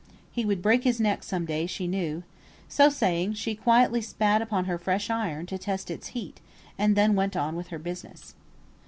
He would break his neck some day, she knew;" so saying, she quietly spat upon her fresh iron, to test its heat, and then went on with her business.